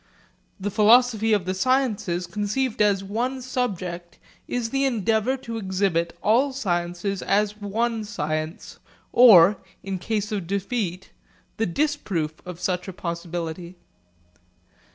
The philosophy of the sciences conceived as one subject is the endeavour to exhibit all sciences as one science, or in case of defeat the disproof of such a possibility.